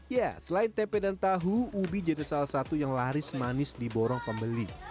ya selain tempe dan tahu ubi jadi salah satu yang laris manis di borong pembeli